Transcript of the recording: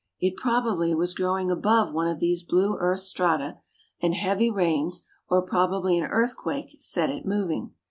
It probably was growing above one of these blue earth strata, and heavy rains, or probably an earthquake, set it moving.